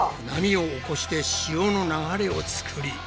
波を起こして潮の流れを作り。